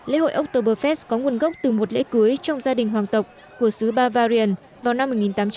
lễ hội oktoberfest có nguồn gốc từ một lễ cưới trong gia đình hoàng tộc của sứ bavarian vào năm một nghìn tám trăm một mươi